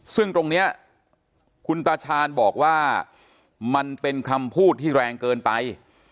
ซึ่งตรงนี้คุณตาชาญบอกว่ามันเป็นคำพูดที่แรงเกินไป